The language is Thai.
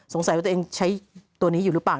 ว่าตัวเองใช้ตัวนี้อยู่หรือเปล่า